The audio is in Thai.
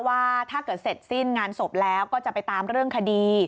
ว่าถ้าเกิดเสร็จสิ้นงานศพแล้วก็จะไปตามเรื่องคดี